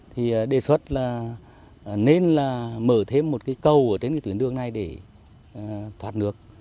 thì đề xuất là nên là mở thêm một cái cầu ở trên cái tuyến đường này để thoát nước